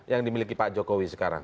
yang dimiliki pak jokowi sekarang